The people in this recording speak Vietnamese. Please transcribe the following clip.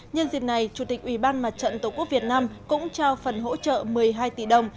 nhân dịp này chủ tịch ủy ban mặt trận tổ quốc việt nam cũng trao phần hỗ trợ một mươi hai tỷ đồng